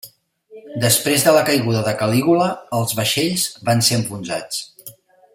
Després de la caiguda de Calígula, els vaixells van ser enfonsats.